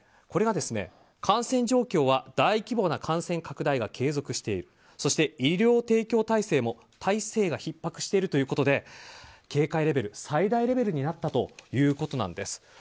これが、感染状況は大規模な感染拡大が継続しているそして、医療提供体制も体制がひっ迫しているということで警戒レベル、最大レベルになったということなんです。